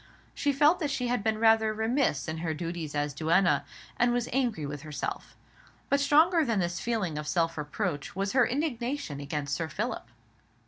She felt that she had been rather remiss in her duties as duenna, and was angry with herself. But stronger than this feeling of self reproach was her indignation against Sir Philip.